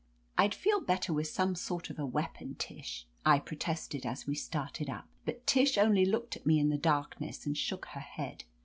"I'd feel better with some sort of weapon, Tish," I protested, as we started up, but Tish only looked at me in the darkness and shook her head.